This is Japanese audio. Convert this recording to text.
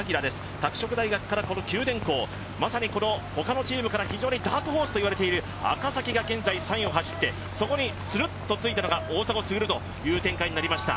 拓殖大学から九電工、まさにほかのチームからダークホースといわれている赤崎が現在、引っ張ってそこにするっとついたのが大迫傑という展開になりました。